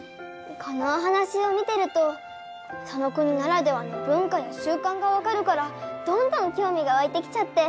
このおはなしを見てるとその国ならではの文化やしゅうかんがわかるからどんどんきょうみがわいてきちゃって。